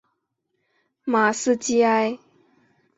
马斯基埃。